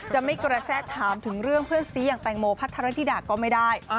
จะไม่กระแทร่ฒานำถึงเรื่องเพื่อนซีอย่างแตงโมพัฒนธรรมดีดาก็ไม่ได้